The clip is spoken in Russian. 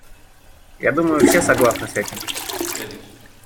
Я думаю, все согласны с этим.